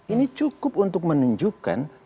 ini cukup untuk menunjukkan